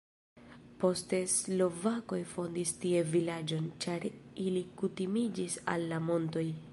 Poste slovakoj fondis tie vilaĝon, ĉar ili kutimiĝis al la montoj.